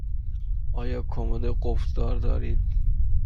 آیا کمد قفل دار دارید؟